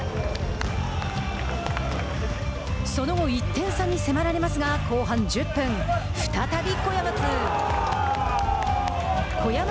その後１点差に迫られますが後半１０分再び小屋松。